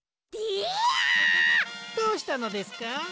どうしたのですか？